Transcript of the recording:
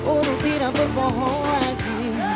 untuk tidak berbohong lagi